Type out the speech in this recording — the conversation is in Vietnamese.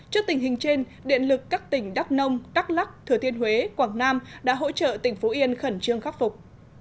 trước tình hình trên điện lực các tỉnh đắk nông đắk lắc thừa thiên huế quảng nam đã hỗ trợ tỉnh phú yên khẩn trương khắc phục